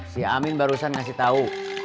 si amin barusan ngasih tahu